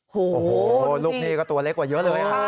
โอ้โหลูกหนี้ก็ตัวเล็กกว่าเยอะเลย